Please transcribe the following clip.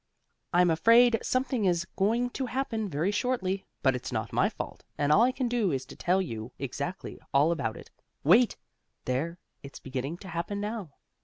I'm afraid something is going to happen very shortly, but it's not my fault, and all I can do is to tell you exactly all about it. Wait! There, it's beginning to happen now.